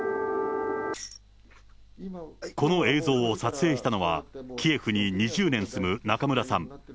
この映像を撮影したのは、キエフに２０年住む中村さん。